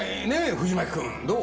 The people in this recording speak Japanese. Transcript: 藤巻君どう？